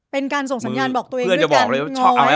เป็นการส่งสัญญาณบอกตัวเองด้วยการง้อ